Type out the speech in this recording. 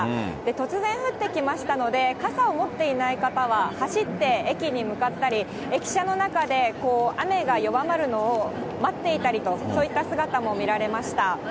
突然降ってきましたので、傘を持っていない方は、走って駅に向かったり、駅舎の中で雨が弱まるのを待っていたりと、そういった姿も見られました。